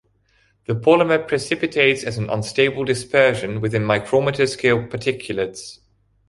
The polymer precipitates as an unstable dispersion with micrometer-scale particulates.